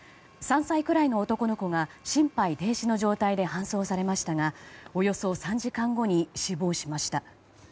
３歳くらいの男の子が心配停止の状態で搬送されましたがおよそ３時間後に死亡しました。